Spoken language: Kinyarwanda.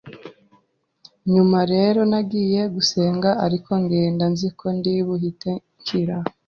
nyuma rero nagiye gusenga ariko ngenda nziko ndi buhite nkira